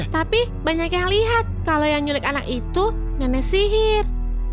tapi banyak yang lihat kalau yang nyulik anak itu nenek sihir